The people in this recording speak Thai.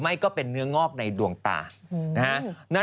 มีเนื้องอกในดวงตา